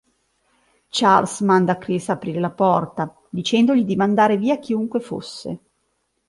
Charles manda Chris ad aprire la porta, dicendogli di mandare via chiunque fosse.